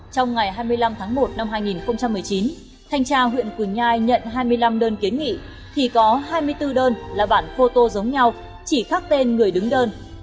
trong ngày hai mươi năm tháng một năm hai nghìn một mươi chín thanh tra huyện quỳnh nhai nhận hai mươi năm đơn kiến nghị thì có hai mươi bốn đơn là bản phô tô giống nhau chỉ khác tên người đứng đơn